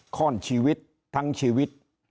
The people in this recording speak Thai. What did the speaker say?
ข้อนชีวิตทั้งชีวิต